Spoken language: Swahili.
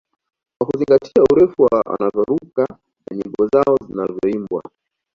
Kwa kuzingatia urefu wa wanavyoruka na nyimbo zao zinazoimbwa